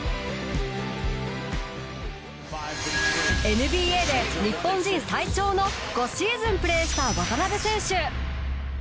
ＮＢＡで日本人最長の５シーズンプレーした渡邊選手。